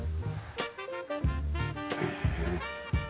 へえ。